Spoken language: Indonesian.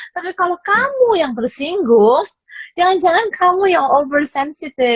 tapi kalau kamu yang tersinggung jangan jangan kamu yang oversensitive